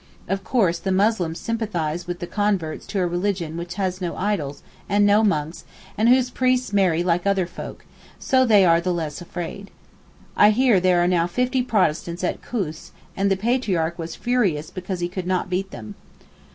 Of course the Muslims sympathize with the converts to a religion which has no 'idols,' and no monks, and whose priests marry like other folk, so they are the less afraid. I hear there are now fifty Protestants at Koos, and the Patriarch was furious because he could not beat them.